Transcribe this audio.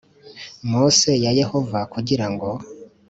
Maso ya yehova kugira ngo